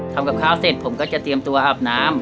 ทำกับข้าวเสร็จผมก็จะเตรียมตัวอาบน้ำ